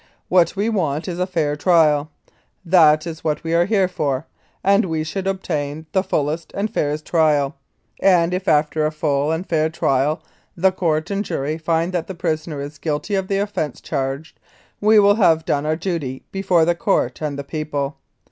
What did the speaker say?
What we want is a fair trial. That is what we are here for, and we should obtain the fullest and fairest trial; and if after a full and fair trial the court and jury find that the prisoner is guilty of the offence charged, we will have done our duty before the Court and the people.